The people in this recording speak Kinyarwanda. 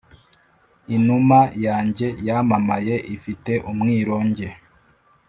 inuma yanjye yamamaye ifite umwironge!